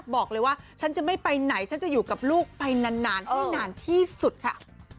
บอกเลยว่าฉันจะไม่ไปไหนฉันจะอยู่กับลูกไปนานให้นานที่สุดค่ะ